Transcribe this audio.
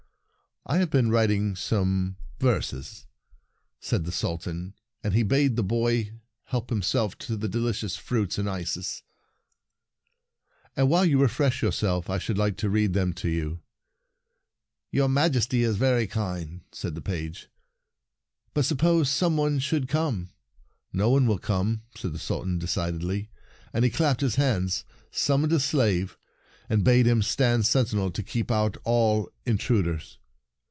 " I have been writing some The Poem Again The Sultan's Verses )> verses,' said the Sultan, as he bade the boy help himself to the delicious fruits and ices, " and while you refresh your self I should like to read them to you." " Your Majesty is very kind," said the page. " But suppose some one should come?" " No one will come," said the Sultan decidedly, and he clapped his hands, summoned a slave, and bade him stand sentinel to keep out all intrud ers.